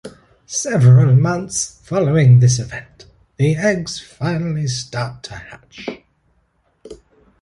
Several months following this event, the eggs finally start to hatch.